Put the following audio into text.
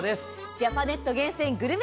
ジャパネット厳選グルメ